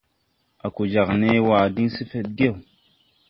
A ko jāg nee waa diŋ se gefedgew.